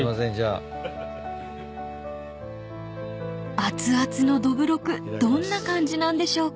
［熱々のどぶろくどんな感じなんでしょうか］